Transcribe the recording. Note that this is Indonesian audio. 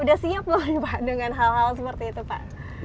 sudah siap belum pak dengan hal hal seperti itu pak